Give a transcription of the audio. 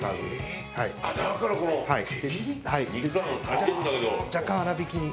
はい。若干粗びきに。